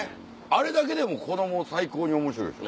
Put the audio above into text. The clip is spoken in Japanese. あれだけでも子供最高におもしろいでしょ。